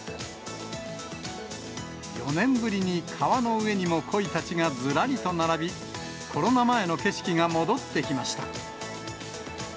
４年ぶりに川の上にもコイたちがずらりと並び、コロナ前の景色が戻ってきました。